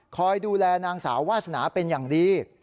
คอยดูแลนางสาววาสนาเป็นอย่างดี